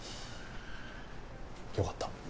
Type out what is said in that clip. よかった。